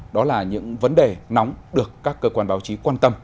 đó là những vấn đề nóng được các cơ quan báo chí quan tâm